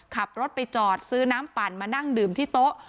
ขับรถไปจอดซื้อน้ำปั่นมานั่งดื่มที่โต๊ะ